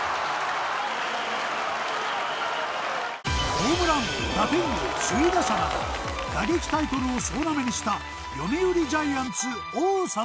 ホームラン王打点王首位打者など打撃タイトルを総なめにした読売ジャイアンツ王貞治。